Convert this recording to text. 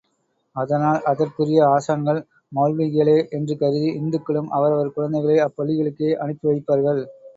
அதனால், அதற்குரிய ஆசான்கள் மெளல்விகளே என்று கருதி இந்துக்களும் அவரவர் குழந்தைகளை அப்பள்ளிகளுக்கே அனுப்பி வைப்பார்கள்.